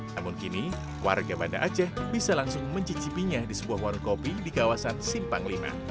namun kini warga banda aceh bisa langsung mencicipinya di sebuah warung kopi di kawasan simpang v